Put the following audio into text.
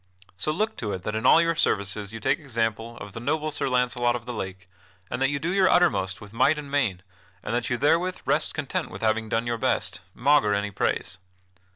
So look to it that in all your services you take example of the noble Sir Launcelot of the Lake, and that you do your uttermost with might and main, and that you therewith rest content with having done your best, maugre any praise.